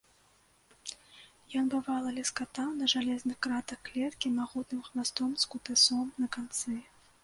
Ён, бывала, ляскатаў на жалезных кратах клеткі магутным хвастом з кутасом на канцы.